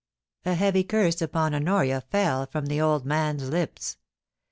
* A heavy curse upon Honoria fell from the old man's lips.